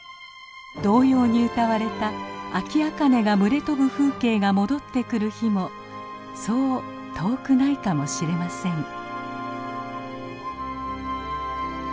童謡に歌われたアキアカネが群れ飛ぶ風景が戻ってくる日もそう遠くないかもしれません。